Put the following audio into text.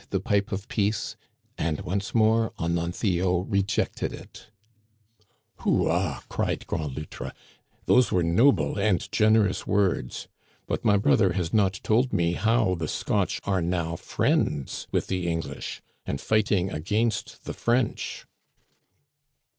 the pipe of peace, and once more Ononthio rejected it" " Houa !" cried Grand Loutre, those were noble and generous words. But my brother has not told me how the Scotch are now friends with the English and fighting against the French."